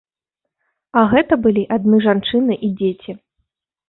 А гэта былі адны жанчыны і дзеці.